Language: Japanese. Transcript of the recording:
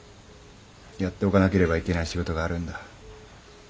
やっておかなければいけない仕事があるんだ。